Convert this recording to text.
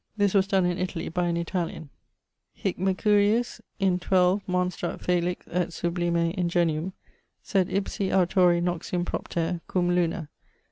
This was done in Italie by an Italian: 'Hic Mercurius in 12ª monstrat felix et sublime ingenium, sed ipsi autori noxium propter □ cum Luna.